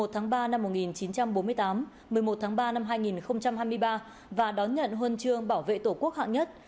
một mươi tháng ba năm một nghìn chín trăm bốn mươi tám một mươi một tháng ba năm hai nghìn hai mươi ba và đón nhận huân chương bảo vệ tổ quốc hạng nhất